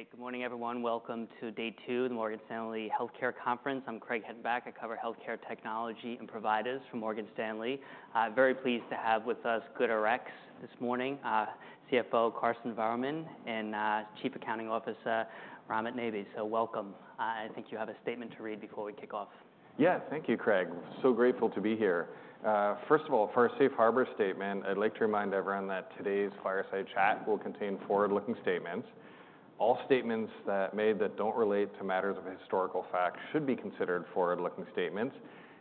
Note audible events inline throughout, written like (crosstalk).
Great. Good morning, everyone. Welcome to day two, the Morgan Stanley Healthcare Conference. I'm Craig Hettenbach. I cover healthcare technology and providers from Morgan Stanley. Very pleased to have with us GoodRx this morning, CFO, Karsten Voermann, and Chief Accounting Officer, Romin Nabiey. So welcome. I think you have a statement to read before we kick off. Yeah. Thank you, Craig, so grateful to be here. First of all, for our Safe Harbor statement, I'd like to remind everyone that today's fireside chat will contain forward-looking statements. All statements made that don't relate to matters of historical fact should be considered forward-looking statements,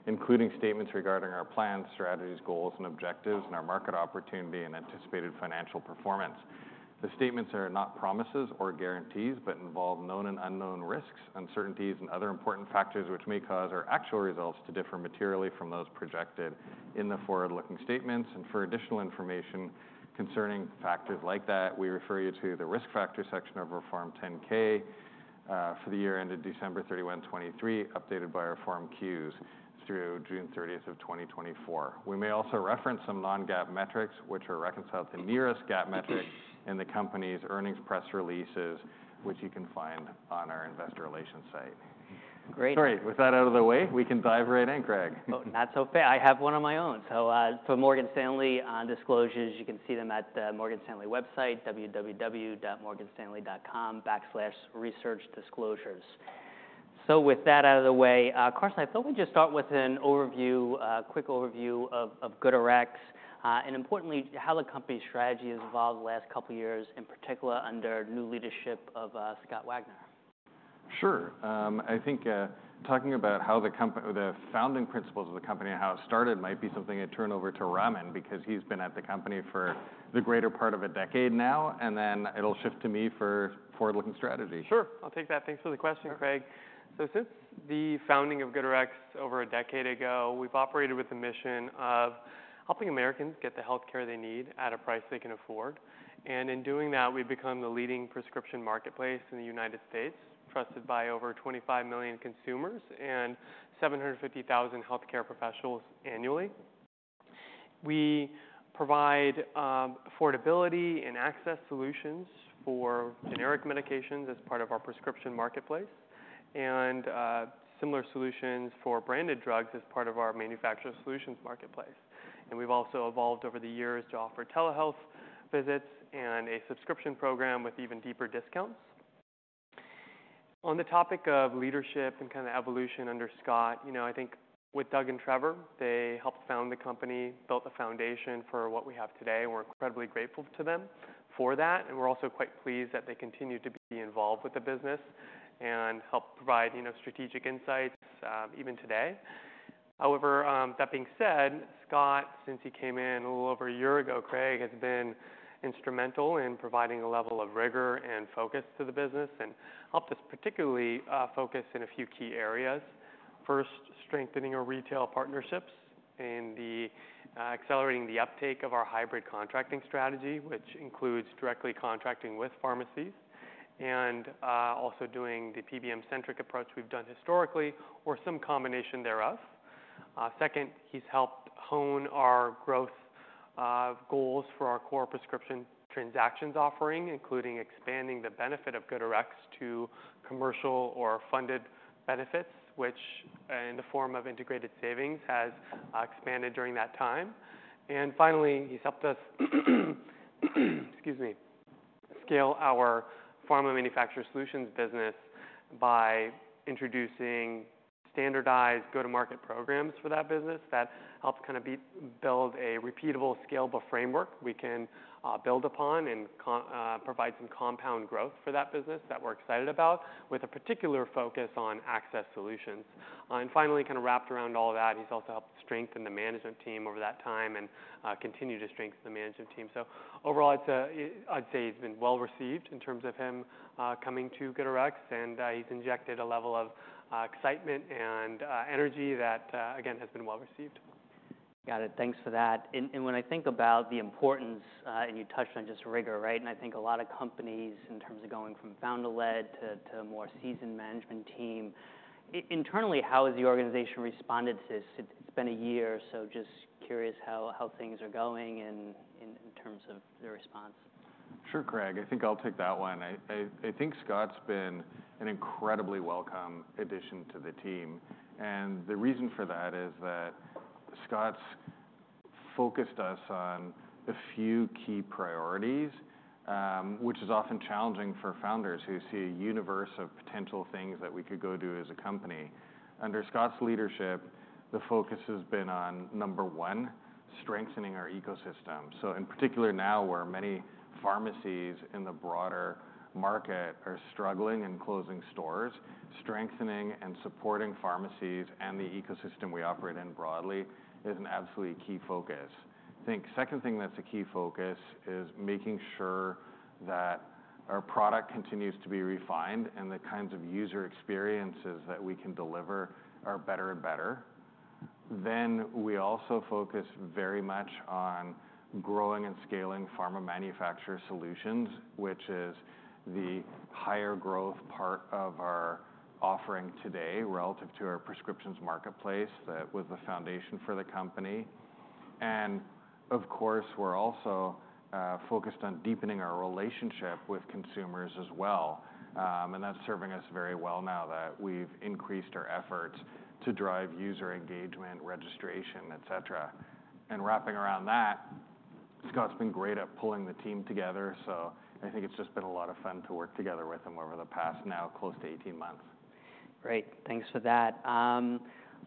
including statements regarding our plans, strategies, goals, and objectives, and our market opportunity and anticipated financial performance. The statements are not promises or guarantees, but involve known and unknown risks, uncertainties, and other important factors, which may cause our actual results to differ materially from those projected in the forward-looking statements, and for additional information concerning factors like that, we refer you to the Risk Factors section of our Form 10-K for the year ended December 31, 2023, updated by our Form 10-Qs through June 30, 2024. We may also reference some non-GAAP metrics, which are reconciled to the nearest GAAP metric in the company's earnings press releases, which you can find on our investor relations site. Great. Sorry, with that out of the way, we can dive right in, Craig. Oh, not so fast. I have one of my own. So, for Morgan Stanley on disclosures, you can see them at the Morgan Stanley website, www.morganstanley.com\researchdisclosures. With that out of the way, Karsten, I thought we'd just start with an overview, a quick overview of GoodRx, and importantly, how the company's strategy has evolved the last couple of years, in particular under new leadership of Scott Wagner. Sure. I think talking about how the founding principles of the company and how it started might be something I'd turn over to Romin, because he's been at the company for the greater part of a decade now, and then it'll shift to me for forward-looking strategy. Sure, I'll take that. Thanks for the question, Craig. Since the founding of GoodRx over a decade ago, we've operated with a mission of helping Americans get the healthcare they need at a price they can afford. And in doing that, we've become the leading prescription marketplace in the United States, trusted by over 25 million consumers and 750,000 healthcare professionals annually. We provide affordability and access solutions for generic medications as part of our prescription marketplace, and similar solutions for branded drugs as part of our manufacturer solutions marketplace. And we've also evolved over the years to offer telehealth visits and a subscription program with even deeper discounts. On the topic of leadership and kind of evolution under Scott, you know, I think with Doug and Trevor, they helped found the company, built the foundation for what we have today, and we're incredibly grateful to them for that. And we're also quite pleased that they continue to be involved with the business and help provide, you know, strategic insights, even today. However, that being said, Scott, since he came in a little over a year ago, Craig, has been instrumental in providing a level of rigor and focus to the business and helped us particularly focus in a few key areas. First, strengthening our retail partnerships and accelerating the uptake of our hybrid contracting strategy, which includes directly contracting with pharmacies and also doing the PBM-centric approach we've done historically or some combination thereof. Second, he's helped hone our growth goals for our core prescription transactions offering, including expanding the benefit of GoodRx to commercial or funded benefits, which, in the form of integrated savings, has expanded during that time. And finally, he's helped us, excuse me, scale our Pharma Manufacturer Solutions business by introducing standardized go-to-market programs for that business. That helps kind of build a repeatable, scalable framework we can build upon and provide some compound growth for that business that we're excited about, with a particular focus on access solutions. And finally, kind of wrapped around all that, he's also helped strengthen the management team over that time and continue to strengthen the management team. So overall, it's, I'd say he's been well-received in terms of him coming to GoodRx, and he's injected a level of excitement and energy that again has been well-received. Got it. Thanks for that. And when I think about the importance, and you touched on just rigor, right? And I think a lot of companies, in terms of going from founder-led to a more seasoned management team, internally, how has the organization responded to this? It's been a year, so just curious how things are going in terms of the response. Sure, Craig, I think I'll take that one. I think Scott's been an incredibly welcome addition to the team, and the reason for that is that Scott's focused us on a few key priorities, which is often challenging for founders who see a universe of potential things that we could go do as a company. Under Scott's leadership, the focus has been on, number one, strengthening our ecosystem, so in particular now, where many pharmacies in the broader market are struggling and closing stores, strengthening and supporting pharmacies and the ecosystem we operate in broadly is an absolutely key focus. I think second thing that's a key focus is making sure that our product continues to be refined and the kinds of user experiences that we can deliver are better and better. Then, we also focus very much on growing and scaling pharma manufacturer solutions, which is the higher growth part of our offering today relative to our prescriptions marketplace, that was the foundation for the company. And, of course, we're also focused on deepening our relationship with consumers as well. And that's serving us very well now that we've increased our efforts to drive user engagement, registration, et cetera. And wrapping around that, Scott's been great at pulling the team together, so I think it's just been a lot of fun to work together with him over the past, now, close to 18 months. Great. Thanks for that.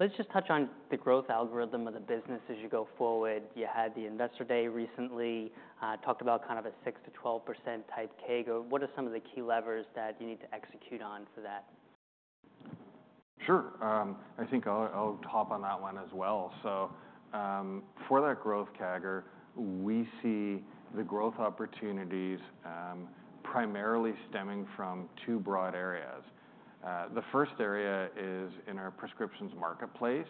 Let's just touch on the growth algorithm of the business as you go forward. You had the Investor Day recently, talked about kind of a 6%-12% type CAGR. What are some of the key levers that you need to execute on for that? Sure. I think I'll hop on that one as well. So, for that growth CAGR, we see the growth opportunities, primarily stemming from two broad areas. The first area is in our prescriptions marketplace.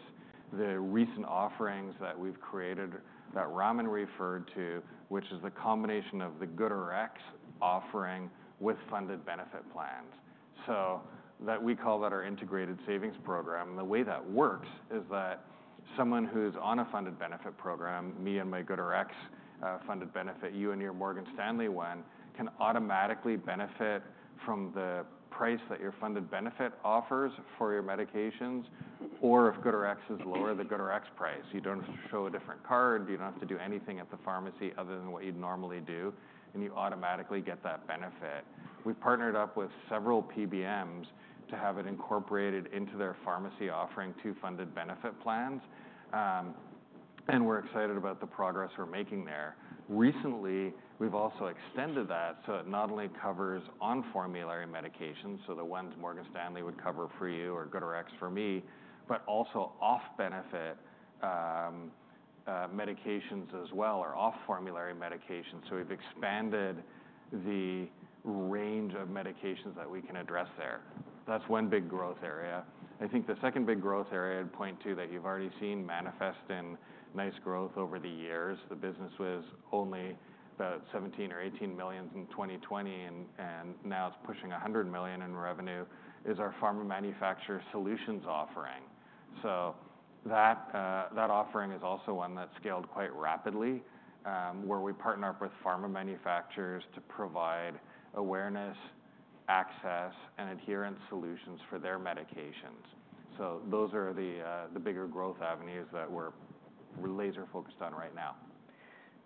The recent offerings that we've created, that Romin referred to, which is the combination of the GoodRx offering with funded benefit plans. So that. We call that our Integrated Savings Program. The way that works is that someone who's on a funded benefit program, me and my GoodRx funded benefit, you and your Morgan Stanley one, can automatically benefit from the price that your funded benefit offers for your medications, or if GoodRx is lower, the GoodRx price. You don't show a different card. You don't have to do anything at the pharmacy other than what you'd normally do, and you automatically get that benefit. We've partnered up with several PBMs to have it incorporated into their pharmacy offering to funded benefit plans. And we're excited about the progress we're making there. Recently, we've also extended that, so it not only covers on-formulary medications, so the ones Morgan Stanley would cover for you or GoodRx for me, but also off-benefit, medications as well, or off-formulary medications. So we've expanded the range of medications that we can address there. That's one big growth area. I think the second big growth area I'd point to, that you've already seen manifest in nice growth over the years, the business was only about $17 million or $18 million in 2020, and now it's pushing $100 million in revenue, is our pharma manufacturer solutions offering. So that offering is also one that's scaled quite rapidly, where we partner up with pharma manufacturers to provide awareness, access, and adherence solutions for their medications. So those are the bigger growth avenues that we're laser focused on right now.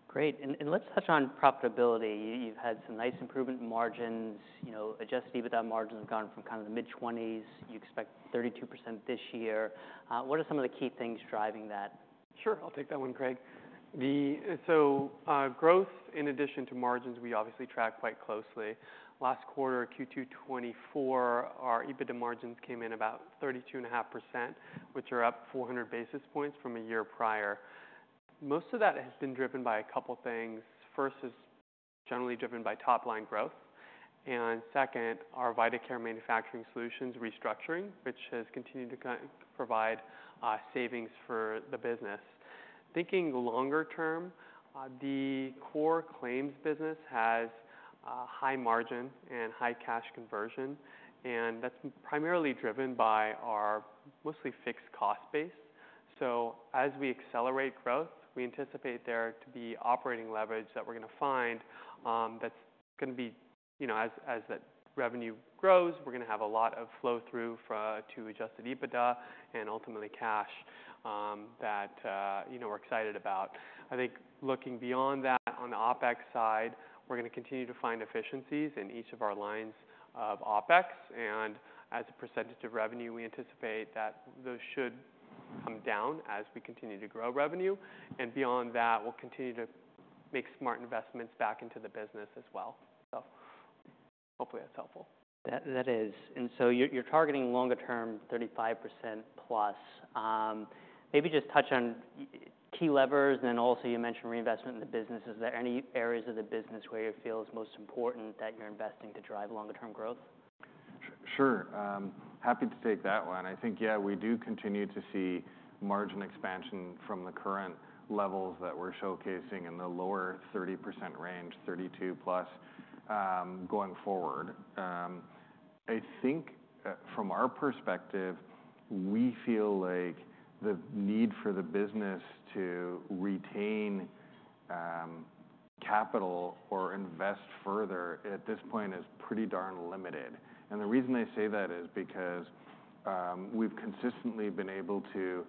Great. And let's touch on profitability. You've had some nice improvement in margins. You know, Adjusted EBITDA margins have gone from kind of the mid-twenties. You expect 32% this year. What are some of the key things driving that? Sure, I'll take that one, Craig. Growth, in addition to margins, we obviously track quite closely. Last quarter, Q2 2024, our EBITDA margins came in about 32.5%, which are up 400 basis points from a year prior. Most of that has been driven by a couple things. First, is generally driven by top-line growth, and second, our VitaCare Manufacturer Solutions restructuring, which has continued to provide savings for the business. Thinking longer term, the core claims business has a high margin and high cash conversion, and that's primarily driven by our mostly fixed cost base. So as we accelerate growth, we anticipate there to be operating leverage that we're gonna find, that's gonna be... You know, as that revenue grows, we're gonna have a lot of flow-through to adjusted EBITDA and ultimately cash, that you know, we're excited about. I think looking beyond that, on the OpEx side, we're gonna continue to find efficiencies in each of our lines of OpEx. And as a percentage of revenue, we anticipate that those should come down as we continue to grow revenue. And beyond that, we'll continue to make smart investments back into the business as well. So hopefully that's helpful. That, that is. And so you're, you're targeting longer term, 35%+. Maybe just touch on key levers, and then also you mentioned reinvestment in the business. Is there any areas of the business where you feel it's most important that you're investing to drive longer term growth? Sure. Happy to take that one. I think, yeah, we do continue to see margin expansion from the current levels that we're showcasing in the lower 30% range, 32%+, going forward. I think, from our perspective, we feel like the need for the business to retain, capital or invest further at this point is pretty darn limited. And the reason I say that is because, we've consistently been able to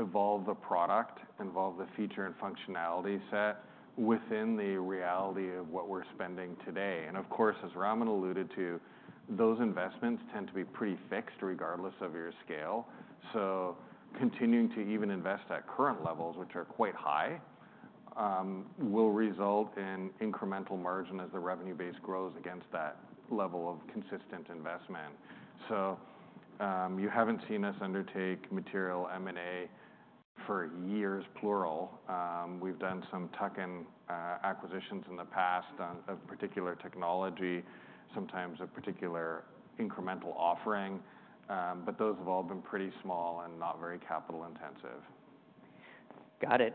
evolve the product, evolve the feature and functionality set within the reality of what we're spending today. And of course, as Romin alluded to, those investments tend to be pretty fixed, regardless of your scale. So continuing to even invest at current levels, which are quite high, will result in incremental margin as the revenue base grows against that level of consistent investment. So, you haven't seen us undertake material M&A for years, plural. We've done some tuck-in acquisitions in the past on a particular technology, sometimes a particular incremental offering, but those have all been pretty small and not very capital intensive. Got it.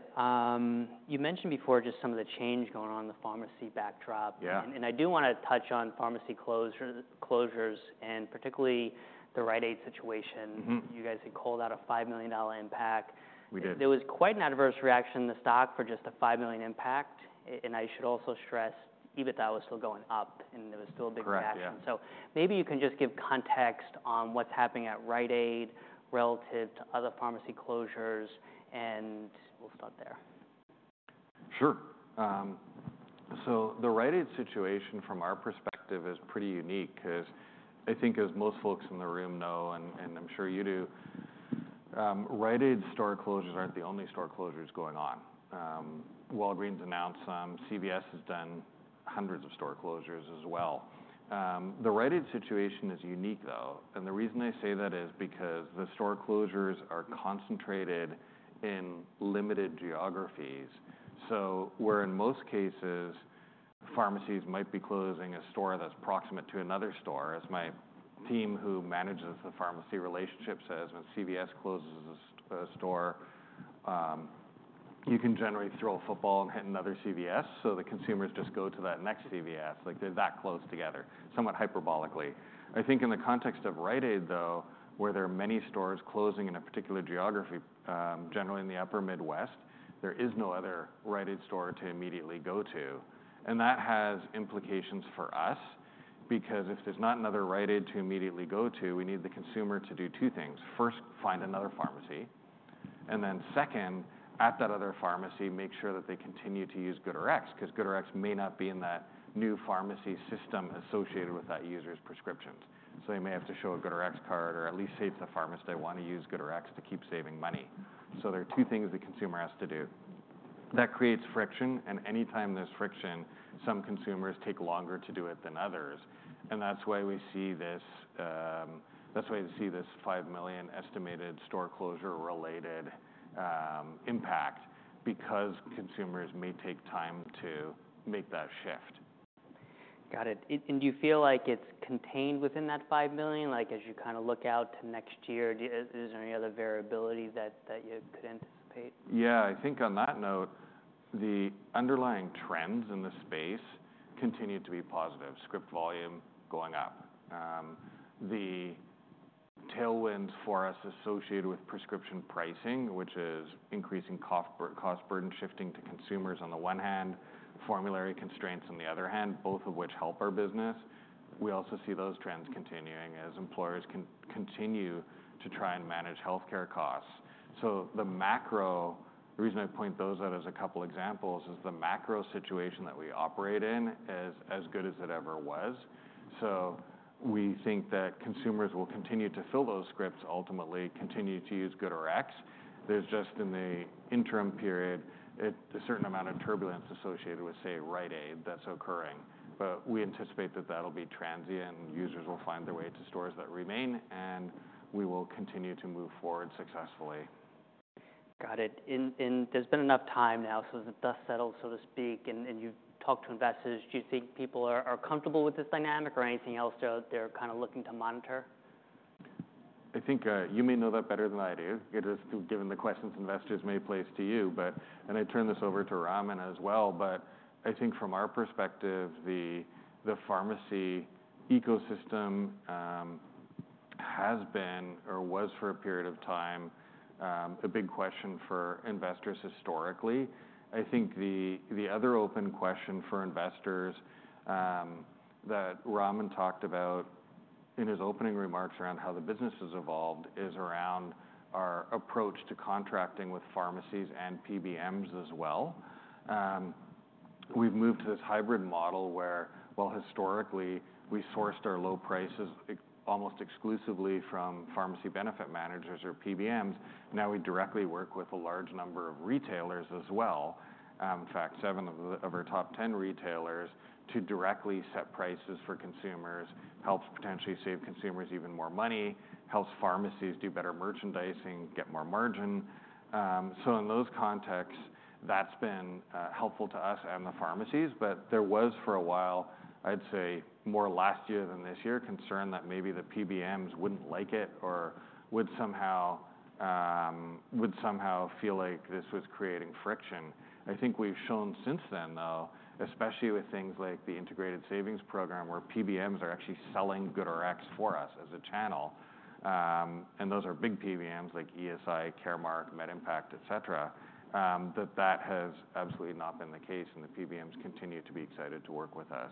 You mentioned before just some of the change going on in the pharmacy backdrop. Yeah. I do want to touch on pharmacy closures and particularly the Rite Aid situation. Mm-hmm. You guys had called out a $5 million impact. We did. There was quite an adverse reaction in the stock for just a $5 million impact, and I should also stress, EBITDA was still going up, and there was still a big reaction. Correct, yeah. So maybe you can just give context on what's happening at Rite Aid relative to other pharmacy closures, and we'll start there. Sure. So the Rite Aid situation from our perspective is pretty unique, cause I think as most folks in the room know, and I'm sure you do, Rite Aid store closures aren't the only store closures going on. Walgreens announced some, CVS has done hundreds of store closures as well. The Rite Aid situation is unique, though, and the reason I say that is because the store closures are concentrated in limited geographies. So where in most cases, pharmacies might be closing a store that's proximate to another store, as my team who manages the pharmacy relationship says, "When CVS closes a store, you can generally throw a football and hit another CVS." So the consumers just go to that next CVS, like they're that close together, somewhat hyperbolically. I think in the context of Rite Aid, though, where there are many stores closing in a particular geography, generally in the Upper Midwest, there is no other Rite Aid store to immediately go to. And that has implications for us, because if there's not another Rite Aid to immediately go to, we need the consumer to do two things: first, find another pharmacy, and then second, at that other pharmacy, make sure that they continue to use GoodRx, cause GoodRx may not be in that new pharmacy system associated with that user's prescriptions. So they may have to show a GoodRx card, or at least say to the pharmacist they want to use GoodRx to keep saving money. So there are two things the consumer has to do. That creates friction, and anytime there's friction, some consumers take longer to do it than others. And that's why we see this $5 million estimated store closure-related impact, because consumers may take time to make that shift. Got it. And do you feel like it's contained within that $5 million? Like, as you kind of look out to next year, is there any other variability that you could anticipate? Yeah, I think on that note, the underlying trends in the space continue to be positive. Script volume going up. The tailwinds for us associated with prescription pricing, which is increasing cost burden, shifting to consumers on the one hand, formulary constraints on the other hand, both of which help our business. We also see those trends continuing as employers continue to try and manage healthcare costs. So the macro, the reason I point those out as a couple examples, is the macro situation that we operate in is as good as it ever was. So we think that consumers will continue to fill those scripts, ultimately continue to use GoodRx. There's just, in the interim period, a certain amount of turbulence associated with, say, Rite Aid, that's occurring. But we anticipate that that'll be transient, and users will find their way to stores that remain, and we will continue to move forward successfully. Got it. And, and there's been enough time now, so the dust settled, so to speak, and, and you've talked to investors. Do you think people are, are comfortable with this dynamic or anything else that they're kind of looking to monitor? I think you may know that better than I do. Given the questions investors may place to you, but I turn this over to Romin as well. But I think from our perspective, the pharmacy ecosystem has been or was for a period of time a big question for investors historically. I think the other open question for investors that Romin talked about in his opening remarks around how the business has evolved is around our approach to contracting with pharmacies and PBMs as well. We've moved to this hybrid model where while historically we sourced our low prices almost exclusively from pharmacy benefit managers or PBMs, now we directly work with a large number of retailers as well. In fact, seven of our top 10 retailers to directly set prices for consumers, helps potentially save consumers even more money, helps pharmacies do better merchandising, get more margin. In those contexts, that's been helpful to us and the pharmacies, but there was, for a while, I'd say more last year than this year, concern that maybe the PBMs wouldn't like it or would somehow feel like this was creating friction. I think we've shown since then, though, especially with things like the Integrated Savings Program, where PBMs are actually selling GoodRx for us as a channel, and those are big PBMs, like ESI, Caremark, MedImpact, et cetera, that has absolutely not been the case, and the PBMs continue to be excited to work with us.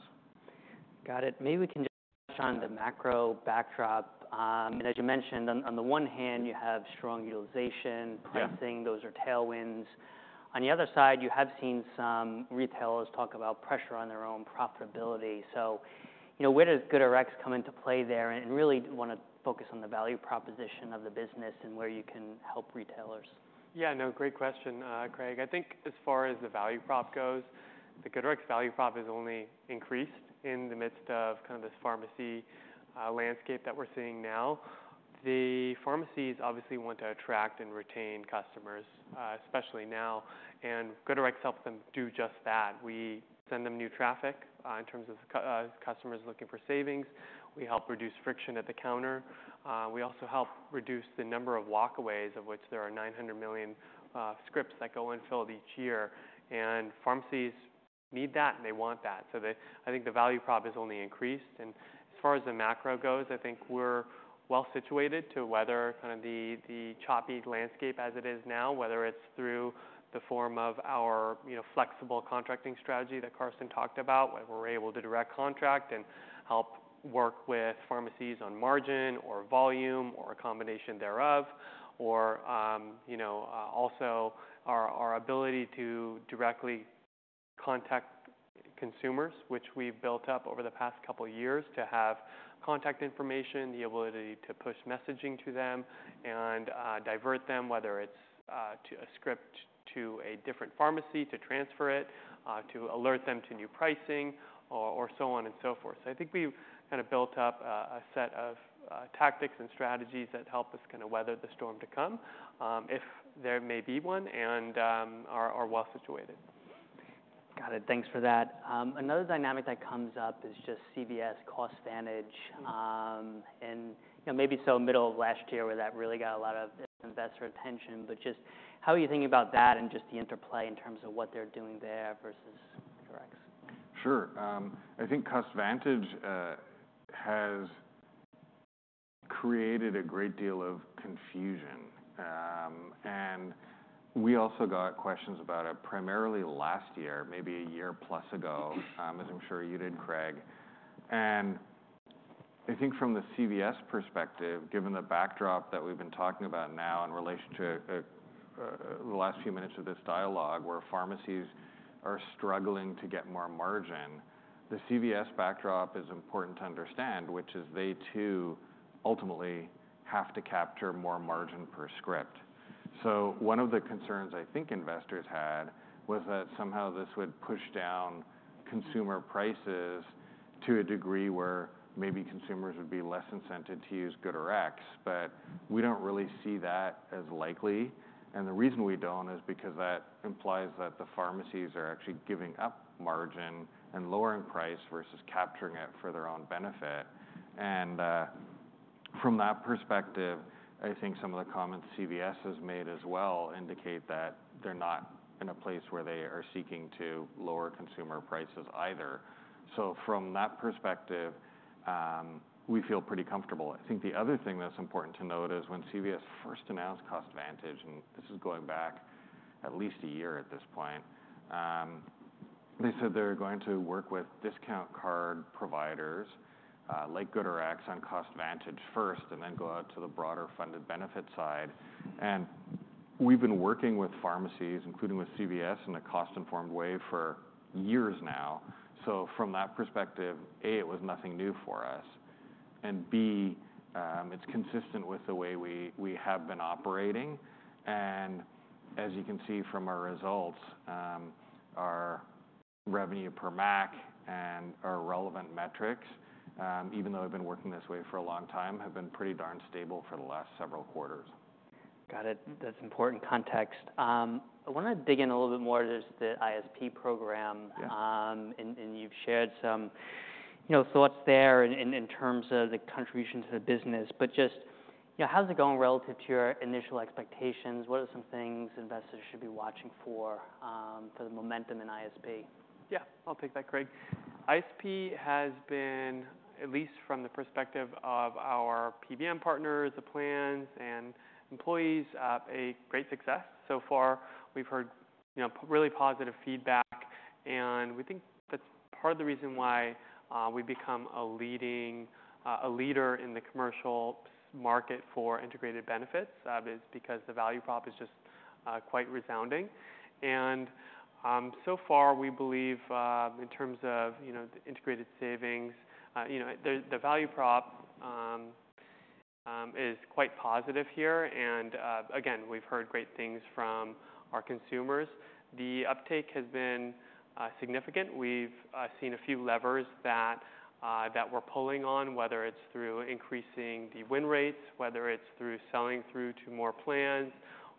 Got it. Maybe we can just touch on the macro backdrop. And as you mentioned, on the one hand, you have strong utilization- Yeah... pricing. Those are tailwinds. On the other side, you have seen some retailers talk about pressure on their own profitability. So, you know, where does GoodRx come into play there? And really want to focus on the value proposition of the business and where you can help retailers. Yeah, no, great question, Craig. I think as far as the value prop goes, the GoodRx value prop has only increased in the midst of kind of this pharmacy landscape that we're seeing now. The pharmacies obviously want to attract and retain customers, especially now, and GoodRx helps them do just that. We send them new traffic in terms of customers looking for savings. We help reduce friction at the counter. We also help reduce the number of walkaways, of which there are nine hundred million scripts that go unfilled each year, and pharmacies need that, and they want that. So I think the value prop has only increased. As far as the macro goes, I think we're well situated to weather kind of the choppy landscape as it is now, whether it's through the form of our, you know, flexible contracting strategy that Karsten talked about, where we're able to direct contract and help work with pharmacies on margin or volume, or a combination thereof. Or, you know, also our ability to directly contact consumers, which we've built up over the past couple of years, to have contact information, the ability to push messaging to them and divert them, whether it's to a script, to a different pharmacy, to transfer it to alert them to new pricing or so on and so forth. So I think we've kinda built up a set of tactics and strategies that help us kinda weather the storm to come, if there may be one, and are well situated. Got it. Thanks for that. Another dynamic that comes up is just CVS CostVantage, and, you know, maybe so middle of last year, where that really got a lot of investor attention, but just how are you thinking about that and just the interplay in terms of what they're doing there versus Direct's? Sure. I think CostVantage has created a great deal of confusion, and we also got questions about it primarily last year, maybe a year plus ago, as I'm sure you did, Craig, and I think from the CVS perspective, given the backdrop that we've been talking about now in relationship the last few minutes of this dialogue, where pharmacies are struggling to get more margin, the CVS backdrop is important to understand, which is they, too, ultimately have to capture more margin per script, so one of the concerns I think investors had was that somehow this would push down consumer prices to a degree where maybe consumers would be less incented to use GoodRx, but we don't really see that as likely. The reason we don't is because that implies that the pharmacies are actually giving up margin and lowering price versus capturing it for their own benefit. From that perspective, I think some of the comments CVS has made as well indicate that they're not in a place where they are seeking to lower consumer prices either. From that perspective, we feel pretty comfortable. I think the other thing that's important to note is when CVS first announced CostVantage, and this is going back at least a year at this point, they said they were going to work with discount card providers, like GoodRx, on CostVantage first, and then go out to the broader funded benefit side. We've been working with pharmacies, including with CVS, in a cost-informed way for years now. So from that perspective, A, it was nothing new for us, and B, it's consistent with the way we have been operating. And as you can see from our results, our revenue per MAC and our relevant metrics, even though we've been working this way for a long time, have been pretty darn stable for the last several quarters. Got it. That's important context. I wanna dig in a little bit more to just the ISP program. Yeah. And you've shared some, you know, thoughts there in terms of the contribution to the business. But just, you know, how's it going relative to your initial expectations? What are some things investors should be watching for, for the momentum in ISP? Yeah, I'll take that, Craig. ISP has been, at least from the perspective of our PBM partners, the plans, and employees, a great success so far. We've heard, you know, really positive feedback, and we think that's part of the reason why we've become a leader in the commercial segment market for integrated benefits, because the value prop is just quite resounding. So far we believe, in terms of, you know, the integrated savings, you know, the value prop is quite positive here, and again, we've heard great things from our consumers. The uptake has been significant. We've seen a few levers that we're pulling on, whether it's through increasing the win rates, whether it's through selling through to more plans,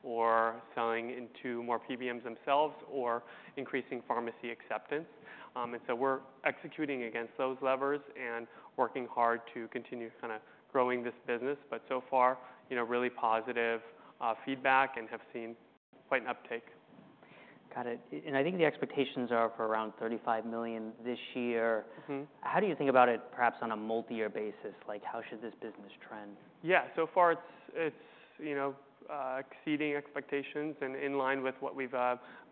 or selling into more PBMs themselves, or increasing pharmacy acceptance. And so we're executing against those levers and working hard to continue kinda growing this business. But so far, you know, really positive feedback and have seen quite an uptake. Got it, and I think the expectations are for around $35 million this year. Mm-hmm. How do you think about it, perhaps on a multi-year basis? Like, how should this business trend? Yeah. So far it's, you know, exceeding expectations and in line with what we've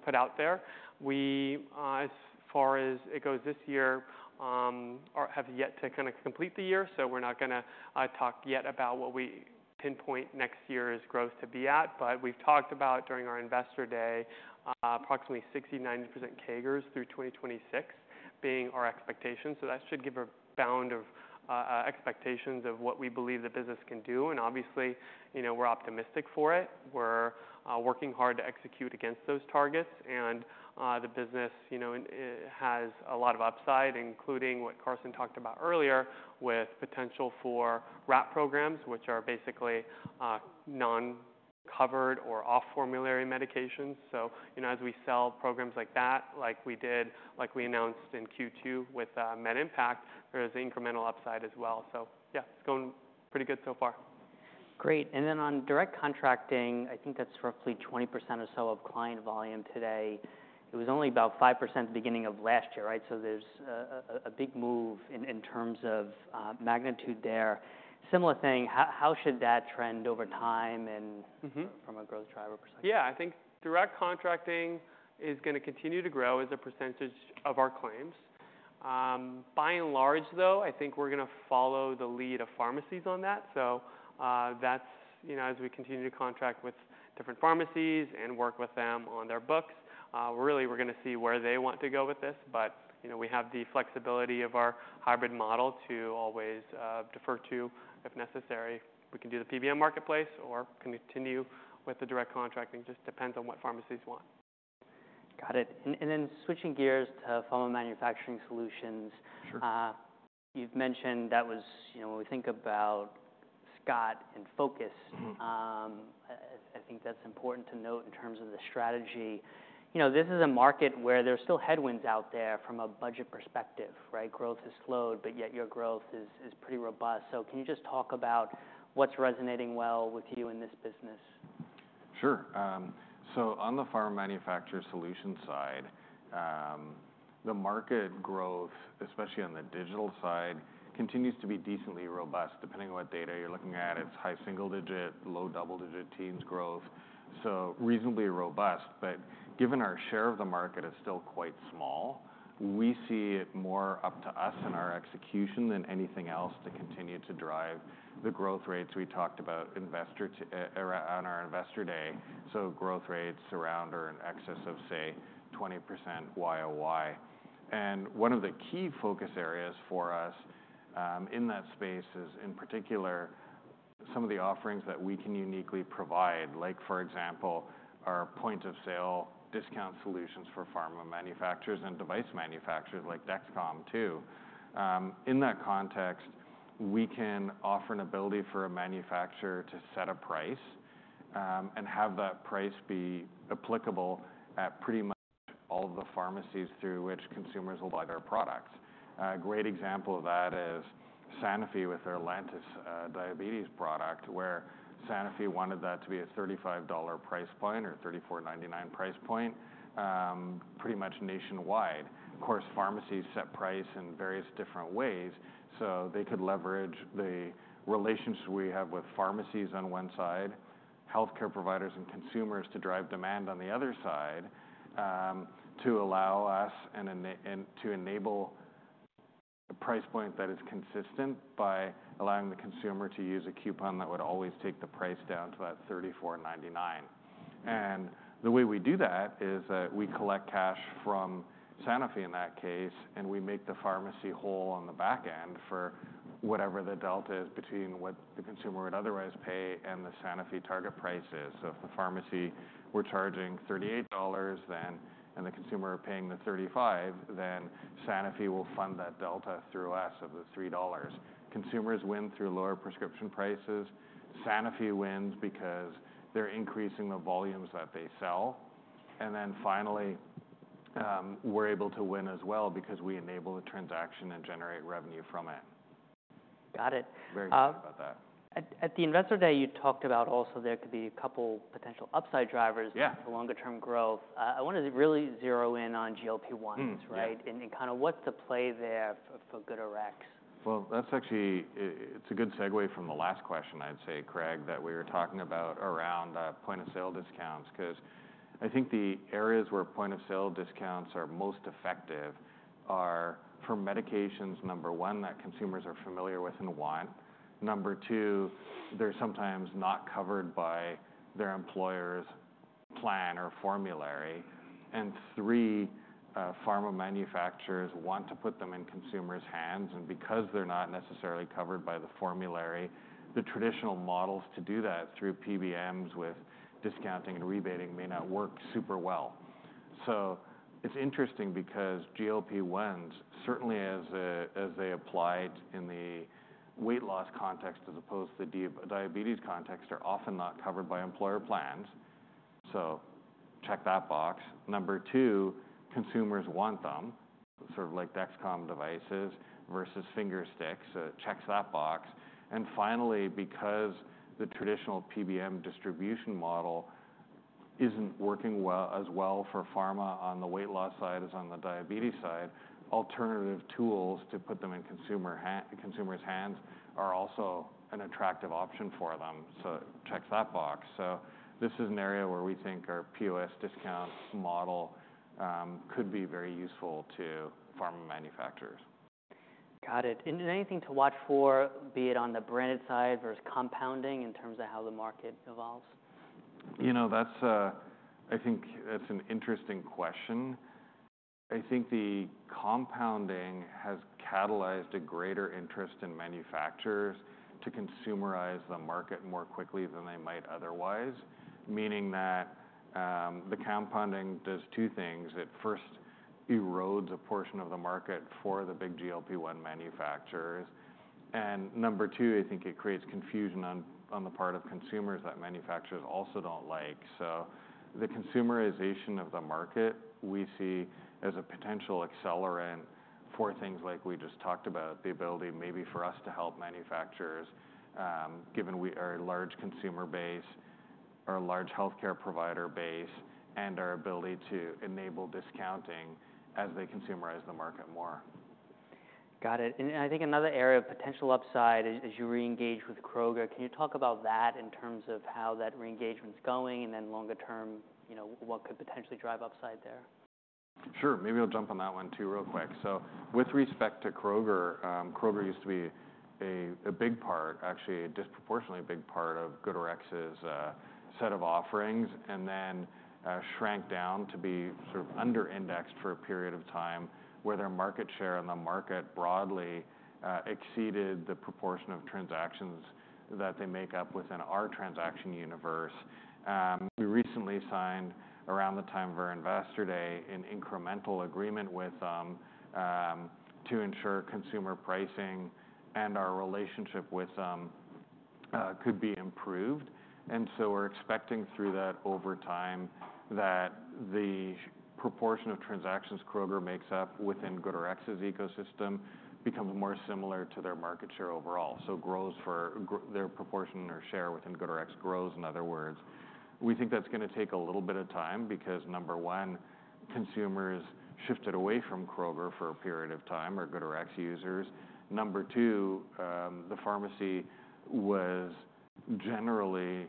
put out there. We, as far as it goes this year, have yet to kinda complete the year, so we're not gonna talk yet about what we pinpoint next year's growth to be at. But we've talked about, during our Investor Day, approximately 60%-90% CAGRs through 2026 being our expectation. So that should give a bound of expectations of what we believe the business can do, and obviously, you know, we're optimistic for it. We're working hard to execute against those targets, and the business, you know, it has a lot of upside, including what Karsten talked about earlier, with potential for wrap programs, which are basically non-covered or off formulary medications. So, you know, as we sell programs like that, like we did, like we announced in Q2 with MedImpact, there is incremental upside as well. So yeah, it's going pretty good so far. Great. And then on direct contracting, I think that's roughly 20% or so of client volume today. It was only about 5% the beginning of last year, right? So there's a big move in terms of magnitude there. Similar thing, how should that trend over time and- Mm-hmm From a growth driver perspective? Yeah, I think direct contracting is gonna continue to grow as a percentage of our claims. By and large, though, I think we're gonna follow the lead of pharmacies on that. So, that's, you know, as we continue to contract with different pharmacies and work with them on their books, really, we're gonna see where they want to go with this. But, you know, we have the flexibility of our hybrid model to always defer to, if necessary. We can do the PBM marketplace or continue with the direct contracting, just depends on what pharmacies want. Got it. And, and then switching gears to pharma manufacturer solutions. Sure. You've mentioned that was... you know, when we think about Scott and Focus- Mm-hmm. I think that's important to note in terms of the strategy. You know, this is a market where there's still headwinds out there from a budget perspective, right? Growth has slowed, but yet your growth is pretty robust. So can you just talk about what's resonating well with you in this business? Sure. So on the pharma manufacturer solution side, the market growth, especially on the digital side, continues to be decently robust. Depending on what data you're looking at, it's high single digit, low double-digit teens growth, so reasonably robust. But given our share of the market is still quite small, we see it more up to us and our execution than anything else to continue to drive the growth rates we talked about on our Investor Day. So growth rates around or in excess of, say, 20% Y-o-Y. And one of the key focus areas for us in that space is, in particular, some of the offerings that we can uniquely provide. Like, for example, our point of sale discount solutions for pharma manufacturers and device manufacturers like Dexcom, too. In that context, we can offer an ability for a manufacturer to set a price, and have that price be applicable at pretty much all the pharmacies through which consumers will buy their products. A great example of that is Sanofi with their Lantus, diabetes product, where Sanofi wanted that to be a $35 price point, or $34.99 price point, pretty much nationwide. Of course, pharmacies set price in various different ways, so they could leverage the relationships we have with pharmacies on one side, healthcare providers and consumers to drive demand on the other side, to allow us and to enable a price point that is consistent by allowing the consumer to use a coupon that would always take the price down to that $34.99. And the way we do that is that we collect cash from Sanofi in that case, and we make the pharmacy whole on the back end for whatever the delta is between what the consumer would otherwise pay and the Sanofi target price is. So if the pharmacy were charging $38, then and the consumer are paying the $35, then Sanofi will fund that delta through us of the $3. Consumers win through lower prescription prices. Sanofi wins because they're increasing the volumes that they sell. And then finally, we're able to win as well because we enable the transaction and generate revenue from it. Got it. Very good about that. At the Investor Day, you talked about also there could be a couple potential upside drivers- Yeah... for longer term growth. I wanted to really zero in on GLP-1, right? Mm-hmm. Yeah. Kind of, what's the play there for GoodRx? That's actually a good segue from the last question, I'd say, Craig, that we were talking about around point of sale discounts, 'cause I think the areas where point of sale discounts are most effective are for medications, number one, that consumers are familiar with and want. Number two, they're sometimes not covered by their employer's plan or formulary. And three, pharma manufacturers want to put them in consumers' hands, and because they're not necessarily covered by the formulary, the traditional models to do that through PBMs with discounting and rebating may not work super well. So it's interesting because GLP-1s, certainly as they applied in the weight loss context as opposed to diabetes context, are often not covered by employer plans, so check that box. Number two, consumers want them, sort of like Dexcom devices versus finger sticks, so it checks that box. And finally, because the traditional PBM distribution model isn't working well, as well for pharma on the weight loss side as on the diabetes side, alternative tools to put them in consumer's hands are also an attractive option for them, so it checks that box. So this is an area where we think our POS discount model could be very useful to pharma manufacturers. Got it. And anything to watch for, be it on the branded side versus compounding, in terms of how the market evolves? You know, that's, I think that's an interesting question. I think the compounding has catalyzed a greater interest in manufacturers to consumerize the market more quickly than they might otherwise. Meaning that, the compounding does two things: it first erodes a portion of the market for the big GLP-1 manufacturers, and number two, I think it creates confusion on the part of consumers that manufacturers also don't like. So the consumerization of the market, we see as a potential accelerant for things like we just talked about, the ability maybe for us to help manufacturers, given we are a large consumer base, or a large healthcare provider base, and our ability to enable discounting as they consumerize the market more. Got it, and I think another area of potential upside is you reengage with Kroger. Can you talk about that in terms of how that reengagement's going, and then longer term, you know, what could potentially drive upside there? Sure. Maybe I'll jump on that one, too, real quick. So with respect to Kroger, Kroger used to be a, a big part, actually, a disproportionately big part of GoodRx's set of offerings, and then, shrank down to be sort of under-indexed for a period of time, where their market share in the market broadly exceeded the proportion of transactions that they make up within our transaction universe. We recently signed, around the time of our Investor Day, an incremental agreement with them, to ensure consumer pricing and our relationship with them could be improved. And so we're expecting through that, over time, that the proportion of transactions Kroger makes up within GoodRx's ecosystem becomes more similar to their market share overall, so their proportion or share within GoodRx grows, in other words. We think that's gonna take a little bit of time because, number one, consumers shifted away from Kroger for a period of time, our GoodRx users. Number two, the pharmacy was generally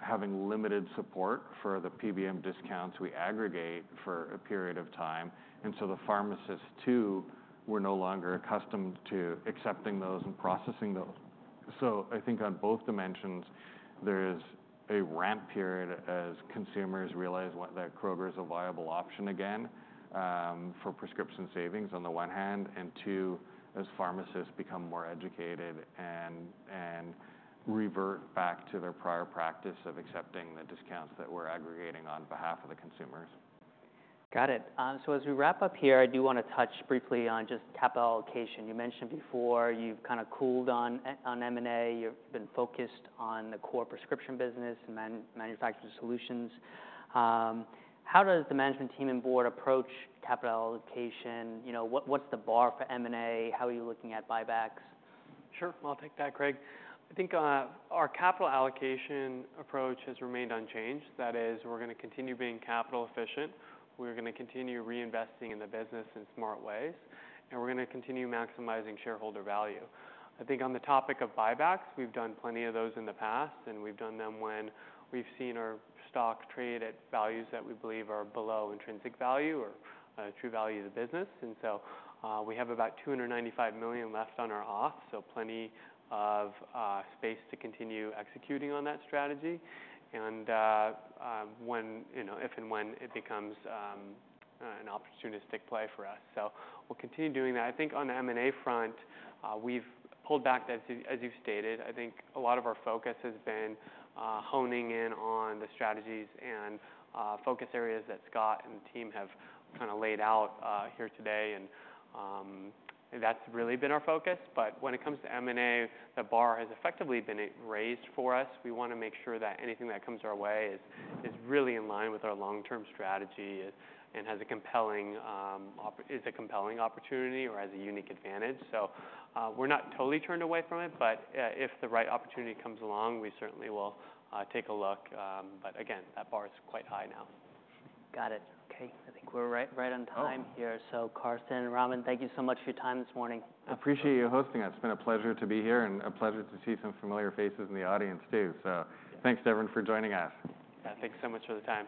having limited support for the PBM discounts we aggregate for a period of time, and so the pharmacists, too, were no longer accustomed to accepting those and processing those. So I think on both dimensions, there is a ramp period as consumers realize that Kroger is a viable option again, for prescription savings, on the one hand. And two, as pharmacists become more educated and revert back to their prior practice of accepting the discounts that we're aggregating on behalf of the consumers. Got it. So as we wrap up here, I do wanna touch briefly on just capital allocation. You mentioned before, you've kind of cooled on, on M&A. You've been focused on the core prescription business and manufacturer solutions. How does the management team and board approach capital allocation? You know, what, what's the bar for M&A? How are you looking at buybacks? Sure, I'll take that, Craig. I think, our capital allocation approach has remained unchanged. That is, we're gonna continue being capital efficient, we're gonna continue reinvesting in the business in smart ways, and we're gonna continue maximizing shareholder value. I think on the topic of buybacks, we've done plenty of those in the past, and we've done them when we've seen our stock trade at values that we believe are below intrinsic value or, true value of the business, and so, we have about $295 million left on our authorization, so plenty of, space to continue executing on that strategy, and, when, you know, if and when it becomes, an opportunistic play for us, so we'll continue doing that. I think on the M&A front, we've pulled back, as you've stated. I think a lot of our focus has been honing in on the strategies and focus areas that Scott and the team have kinda laid out here today, and that's really been our focus. But when it comes to M&A, the bar has effectively been raised for us. We wanna make sure that anything that comes our way is really in line with our long-term strategy and has a compelling opportunity or has a unique advantage. So, we're not totally turned away from it, but if the right opportunity comes along, we certainly will take a look. But again, that bar is quite high now. Got it. Okay, I think we're right, right on time here. (crosstalk) Oh. Karsten and Romin, thank you so much for your time this morning. Appreciate you hosting us. It's been a pleasure to be here and a pleasure to see some familiar faces in the audience, too. So thanks to everyone for joining us. Yeah, thanks so much for the time.